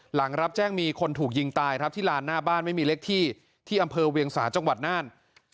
หลังรับแจ้งมีคนถูกยิงตายครับที่ลานหน้าบ้านไม่มีเล็กที่ที่อำเภอเวียงสาจังหวัดน่าน